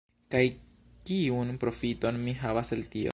Kaj kiun profiton mi havas el tio?